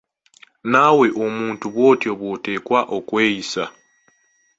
Naawe omuntu bw’otyo bw’oteekwa okweyisa.